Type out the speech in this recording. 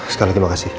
sekali lagi makasih